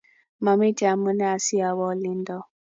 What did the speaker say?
mamiten amune asiawoo olindo